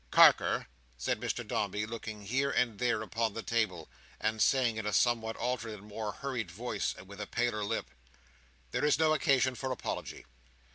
"Carker," said Mr Dombey, looking here and there upon the table, and saying in a somewhat altered and more hurried voice, and with a paler lip, "there is no occasion for apology.